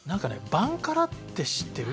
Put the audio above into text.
バンカラって知ってる？